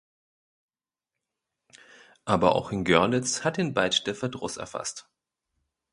Aber auch in Görlitz hat ihn bald der Verdruss erfasst.